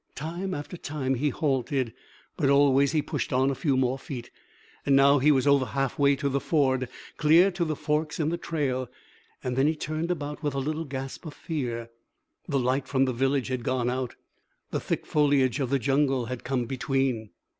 Time after time he halted, but always he pushed on a few more feet. Now he was over halfway to the ford, clear to the forks in the trail. And then he turned about with a little gasp of fear. The light from the village had gone out. The thick foliage of the jungle had come between.